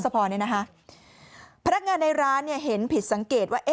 พนักงานในร้านเนี่ยเห็นผิดสังเกตว่า